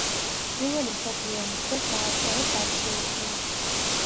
პირველი მსოფლიო ომის დროს დაატყვევეს ავსტრიელებმა.